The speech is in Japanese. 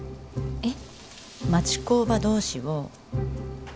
えっ！